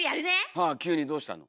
はぁ急にどうしたの。